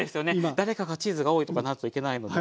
誰かがチーズが多いとかなるといけないので。